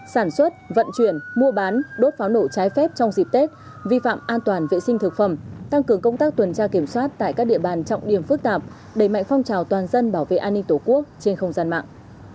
sản xuất vận chuyển mua bán đốt pháo nổ trái phép trong dịp tết vi phạm an toàn vệ sinh thực phẩm tăng cường công tác tuần tra kiểm soát tại các địa bàn trọng điểm phức tạp đẩy mạnh phong trào toàn dân bảo vệ an ninh tổ quốc trên không gian mạng